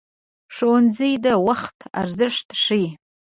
ښوونځی د وخت ارزښت ښيي